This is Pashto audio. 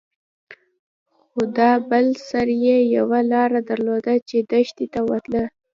خو دا بل سر يې يوه لاره درلوده چې دښتې ته وتله.